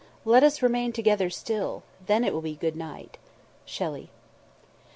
Let us remain together still, Then it will be GOOD night_." SHELLEY.